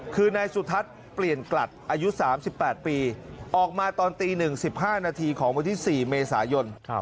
คือนายสุทัศน์เปลี่ยนกลัดอายุ๓๘ปีออกมาตอนตี๑๕นาทีของวันที่๔เมษายน